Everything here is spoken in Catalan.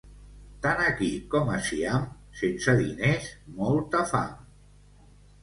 Tant aquí com a Siam, sense diners, molta fam.